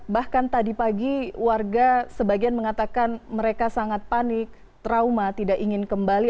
bahkan tadi pagi warga sebagian mengatakan mereka sangat panik trauma tidak ingin kembali